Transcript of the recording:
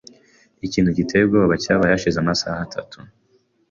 Ikintu giteye ubwoba cyabaye hashize amasaha atatu.